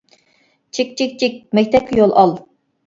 چىك چىك چىك، مەكتەپكە يول ئال.